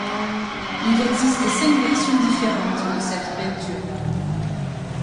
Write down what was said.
Il existe cinq versions différentes de cette peinture.